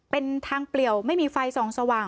เป็นทางเปลี่ยวไม่มีไฟส่องสว่าง